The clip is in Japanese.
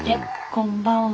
こんばんは。